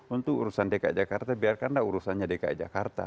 untuk urusan dki jakarta biarkanlah urusannya dki jakarta